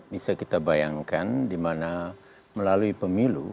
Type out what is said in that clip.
bisa kita bayangkan di mana melalui pemilu